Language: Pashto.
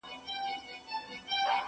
د ودانیو معمارانو ته ځي،